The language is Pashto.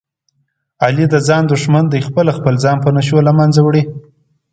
علي د خپل ځان دښمن دی، خپله خپل ځان په نشو له منځه وړي.